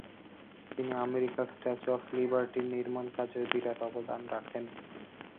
তিনি আমেরিকার statue of লিবার্টির নির্মাণ কাজেও বিরাট অবদান রাখেন।